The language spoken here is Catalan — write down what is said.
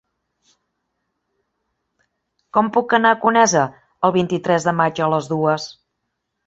Com puc anar a Conesa el vint-i-tres de maig a les dues?